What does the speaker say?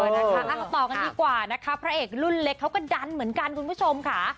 นะคะต่อกันดีกว่านะคะพระเอกรุ่นเล็กเขาก็ดันเหมือนกันคุณผู้ชมค่ะ